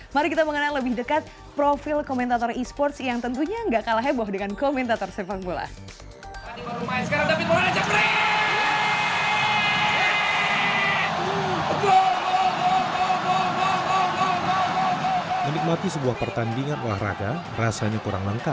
mari kita mengenal lebih dekat profil komentator e sports yang tentunya gak kalah heboh dengan komentator sepak bola